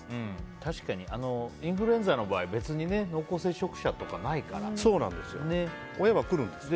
確かに、インフルエンザの場合別に濃厚接触者とかないからね。